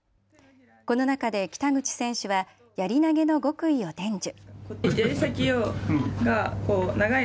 この中で北口選手はやり投げの極意を伝授。